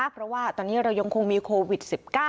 เพราะว่าตอนนี้เรายังคงมีโควิด๑๙